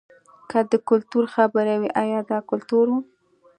که د کلتور خبره وي ایا دا کلتور و.